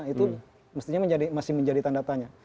itu mestinya masih menjadi tanda tanya